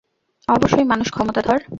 অবশ্যই মানুষ ক্ষমতাধর।